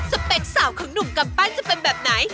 จะเป็นสาวของหนุ่มกำปั้นจะเป็นแบบไหน